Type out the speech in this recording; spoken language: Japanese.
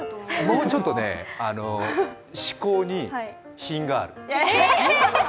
もうちょっと思考に品がある。